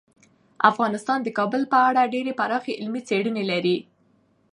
افغانستان د کابل په اړه ډیرې پراخې علمي څېړنې لري.